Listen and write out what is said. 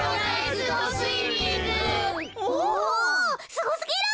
すごすぎる。